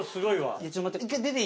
えっちょっと待って。